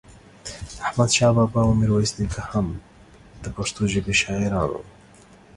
احمد شاه بابا او ميرويس نيکه هم دا پښتو ژبې شاعران وو